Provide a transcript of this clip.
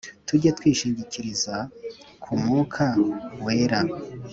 Tujye twishingikiriza ku mwuka wera